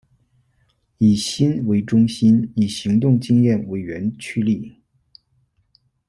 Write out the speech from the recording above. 以心为中心以行动经验为原驱力。